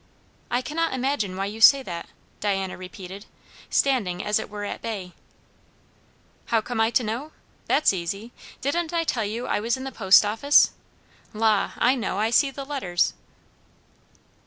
"I cannot imagine why you say that," Diana repeated, standing as it were at bay. "How I come to know? That's easy. Didn't I tell you I was in the post office? La, I know, I see the letters."